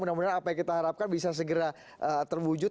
mudah mudahan apa yang kita harapkan bisa segera terwujud